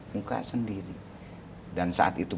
muka sendiri dan saat itu